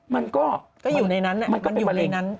มันก็อยู่ในนั้นมันก็เป็นแบรนด์